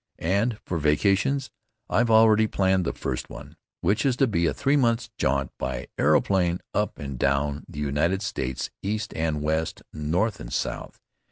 And for vacations, I've already planned the first one, which is to be a three months' jaunt by aeroplane up and down the United States east and west, north and south.